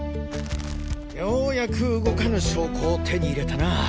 ようやく動かぬ証拠を手に入れたな。